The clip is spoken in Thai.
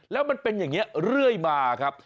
แล้วมันเป็นอย่างนี้เรื่อยมาครับ